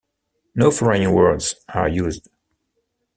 No foreign words are used.